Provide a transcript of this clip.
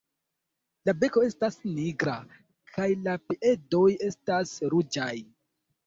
La beko estas nigra kaj la piedoj estas ruĝaj.